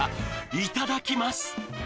いただきます